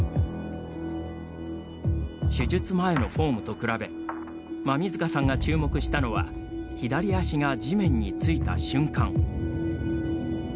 手術前のフォームと比べ馬見塚さんが注目したのは左足が地面についた瞬間。